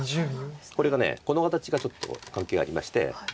これがこの形がちょっと関係ありまして。